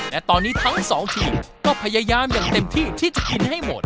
และตอนนี้ทั้งสองทีมก็พยายามอย่างเต็มที่ที่จะกินให้หมด